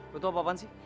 lu tuh apa apaan sih